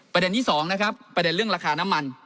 ประเด็นที่๒นะครับประเด็นเรื่องราคาน้ำมัน